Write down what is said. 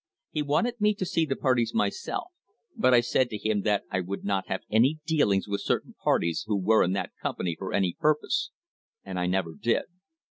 He wanted me to see the parties myself; but I said to him that I would not have any dealings with certain parties who were in that company for any purpose, and I never did.